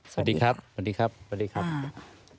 สวัสดีครับสวัสดีครับสวัสดีครับ